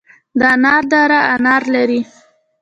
د انار دره انار لري